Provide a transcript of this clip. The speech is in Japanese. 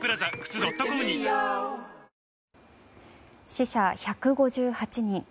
死者１５８人。